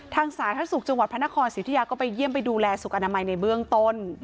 สาธารณสุขจังหวัดพระนครสิทธิยาก็ไปเยี่ยมไปดูแลสุขอนามัยในเบื้องต้น